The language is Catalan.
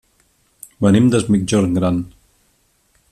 Venim des Migjorn Gran.